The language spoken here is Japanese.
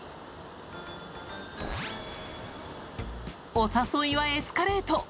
お誘いはエスカレート。